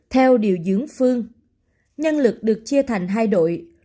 theo điều dưỡng phương nhân lực được chia thành hai đội